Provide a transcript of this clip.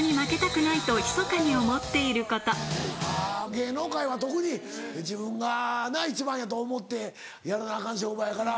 芸能界は特に自分がなっ一番やと思ってやらなアカン商売やから。